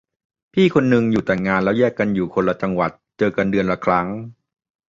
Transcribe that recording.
พี่คนนึงอยู่แต่งงานแล้วแยกกันอยู่คนละจังหวัดเจอกันเดือนละครั้ง